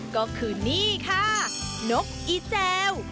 ก็คือนี่ค่ะนกอีแจว